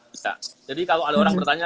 bisa jadi kalau ada orang bertanya